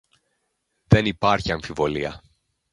Δεν υπάρχει αμφιβολία